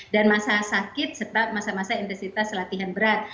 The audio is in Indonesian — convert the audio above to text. dan masa sakit sebab masa masa intensitas latihan berat